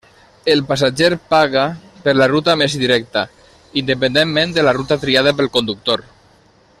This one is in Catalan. El passatger paga per la ruta més directa, independentment de la ruta triada pel conductor.